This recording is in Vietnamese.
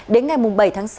đến ngày bảy tháng sáu